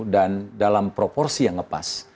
dan dalam proporsi yang lepas